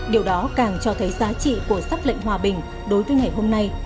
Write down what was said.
điều đó càng cho thấy giá trị của sắc lệnh hòa bình đối với ngày hôm nay